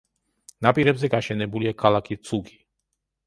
ნაპირებზე გაშენებულია ქალაქი ცუგი.